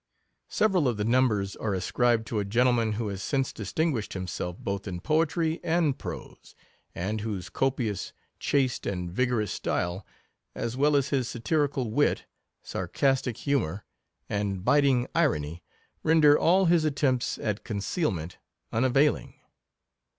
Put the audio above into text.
Several of the numbers are ascribed to a gentleman who has since distinguished him self both in poetry and prose, and whose co pious, chaste, and vigorous style, as well as his satirical wit, sarcastic humour, and bit ing irony, render all his attempts at conceal ment unavailing.